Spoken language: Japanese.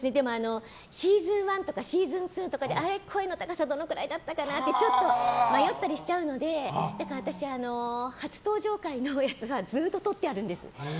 シーズン１とかシーズン２とかであれ、声の高さどのくらいだったかなってちょっと迷ったりしちゃうので私、初登場回のやつはずっととってあるんです。